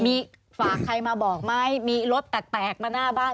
มีฝากใครมาบอกไหมมีรถแตกมาหน้าบ้าน